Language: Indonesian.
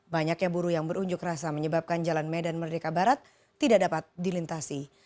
banyaknya buruh yang berunjuk rasa menyebabkan jalan medan merdeka barat tidak dapat dilintasi